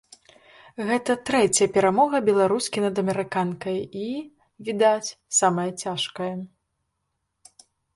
Гэта трэцяя перамога беларускі над амерыканкай і, відаць, самая цяжкая.